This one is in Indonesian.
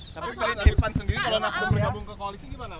tapi kalau nasibnya bergabung ke koalisi gimana